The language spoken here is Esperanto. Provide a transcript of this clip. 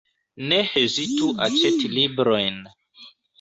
Ne hezitu aĉeti librojn!